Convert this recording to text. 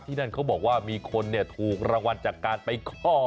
นั่นเขาบอกว่ามีคนถูกรางวัลจากการไปข้อ